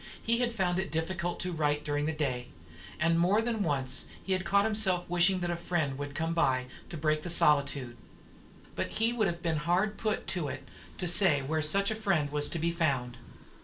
He had found it difficult to write during the day; and more than once he had caught himself wishing that a friend would come in to break the solitude. But he would have been hard put to it to say where such a friend was to be found.